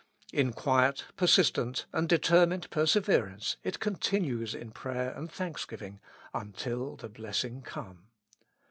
In quiet, persis tent and determined perseverance it continues in prayer and thanksgiving until the blessing come.